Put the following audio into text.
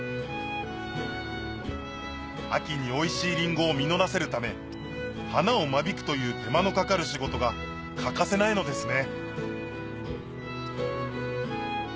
秋においしいりんごを実らせるため花を間引くという手間のかかる仕事が欠かせないのですね